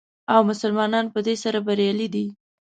او مسلمانان په دې سره بریالي دي.